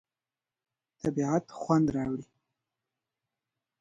طبیعت خوند راوړي.